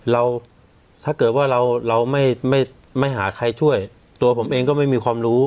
เราถ้าเกิดว่าเราเราไม่ไม่หาใครช่วยตัวผมเองก็ไม่มีความรู้